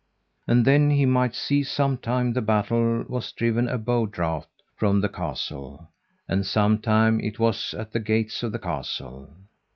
And then he might see sometime the battle was driven a bow draught from the castle, and sometime it was at the gates of the castle.